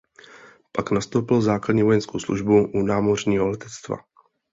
Pak nastoupil základní vojenskou službu u námořního letectva.